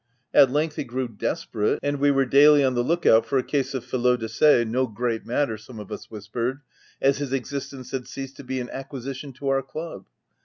At , length he grew desperate, and we were daily on the look out for a case of felo de se — no great matter, some of us whispered, as his existence had ceased to be an acquisition to our club.